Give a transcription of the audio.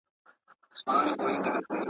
o چرگه چي چاغېږي، کونه ېې تنگېږي.